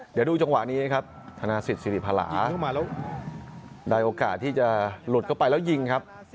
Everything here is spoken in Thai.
เดี๋ยวดูจังหวะนี้ครับธนาศิษย์สิริภาราเข้ามาแล้วได้โอกาสที่จะหลุดเข้าไปแล้วยิงครับ